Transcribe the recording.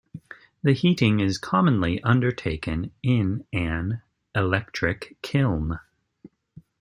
The heating is commonly undertaken in an electric kiln.